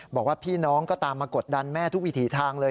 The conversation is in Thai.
บอกว่าพี่น้องก็ตามมากดดันแม่ทุกวิถีทางเลย